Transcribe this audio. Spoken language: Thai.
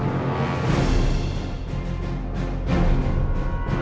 สวัสดีครับ